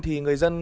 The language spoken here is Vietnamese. thì người dân